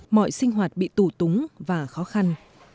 mọi sinh hoạt bị tủ túng và khó khăn